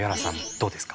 どうですか？